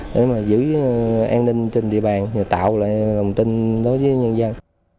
để mà giữ an ninh trên địa bàn tạo lại lòng tin đối với nhân dân